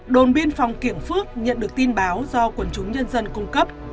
đồn biên phòng kiểng phước nhận được tin báo do quần chúng nhân dân cung cấp